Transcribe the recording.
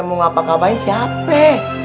eh mau apa apaan siapa